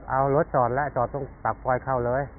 เอารถจอดแล้วจอดตรงปากซอยเข้าเลย